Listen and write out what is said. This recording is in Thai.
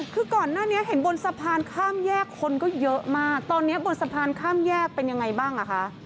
คือก่อนหน้านี้เห็นบนสะพานข้ามแยกคนก็เยอะมากตอนนี้บนสะพานข้ามแยกเป็นยังไงบ้างอ่ะคะ